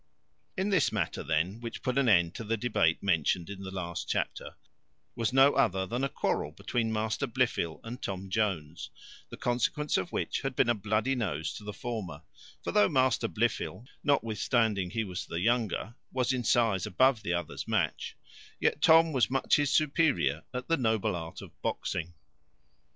This matter then, which put an end to the debate mentioned in the last chapter, was no other than a quarrel between Master Blifil and Tom Jones, the consequence of which had been a bloody nose to the former; for though Master Blifil, notwithstanding he was the younger, was in size above the other's match, yet Tom was much his superior at the noble art of boxing.